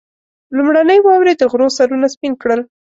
لومړنۍ واورې د غرو سرونه سپين کړل.